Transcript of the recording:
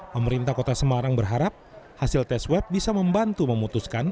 pemerintah kota semarang berharap hasil tes web bisa membantu memutuskan